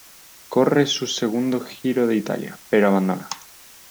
Corre su segundo Giro de Italia, pero abandona.